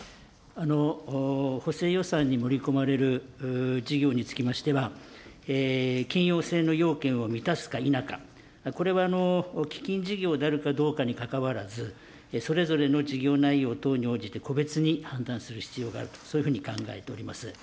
補正予算に盛り込まれる事業につきましては、緊要性の要件を満たすか否か、これは基金事業であるかどうかにかかわらず、それぞれの事業内容等に応じて個別に判断する必要があると、そういうふうに考えております。